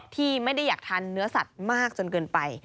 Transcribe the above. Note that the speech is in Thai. ที่ไม่ได้อยากทานเนื้อสัตว์มากจนเกินไป